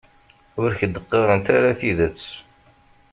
Ur k-d-qqaren ara tidet.